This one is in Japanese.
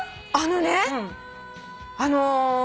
あのねあの。